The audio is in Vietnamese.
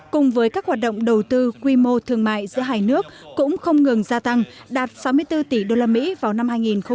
cùng với các hoạt động đầu tư quy mô thương mại giữa hai nước cũng không ngừng gia tăng đạt sáu mươi bốn tỷ usd vào năm hai nghìn hai mươi